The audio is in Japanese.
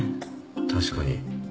確かに。